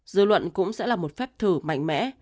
dư luận cũng sẽ là một phép thử mạnh mẽ